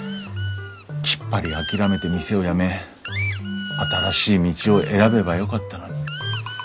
きっぱり諦めて店を辞め新しい道を選べばよかったのに。